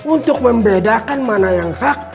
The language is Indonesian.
untuk membedakan mana yang hak